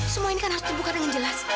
semua ini kan harus terbuka dengan jelas